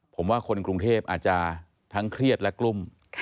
ผมว่าคนกรุงเทพอาจจะทั้งเครียดและกลุ้ม